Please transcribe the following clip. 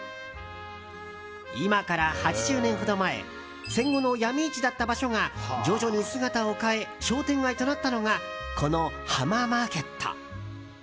今から８０年ほど前戦後の闇市だった場所が徐々に姿を変え商店街となったのがこの浜マーケット。